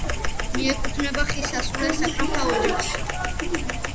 მიეკუთვნება ხის სასულე საკრავთა ოჯახს.